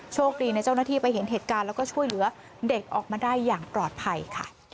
โชคดีในเจ้าหน้าที่ไปเห็นเหตุการณ์แล้วก็ช่วยเหลือเด็กออกมาได้อย่างปลอดภัยค่ะ